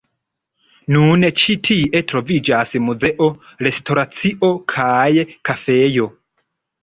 Nun ĉi tie troviĝas muzeo, restoracio kaj kafejo.